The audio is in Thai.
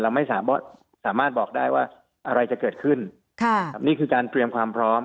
ไม่สามารถสามารถบอกได้ว่าอะไรจะเกิดขึ้นนี่คือการเตรียมความพร้อม